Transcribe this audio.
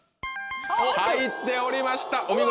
入っておりましたお見事。